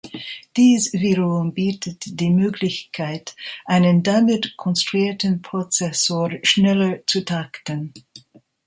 Dies wiederum bietet die Möglichkeit, einen damit konstruierten Prozessor schneller zu takten.